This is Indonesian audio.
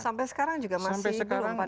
sampai sekarang juga masih belum